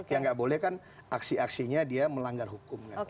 yang nggak boleh kan aksi aksinya dia melanggar hukum